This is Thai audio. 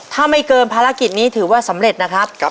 ถ้าไม่เกินภารกิจนี้ถือว่าสำเร็จนะครับ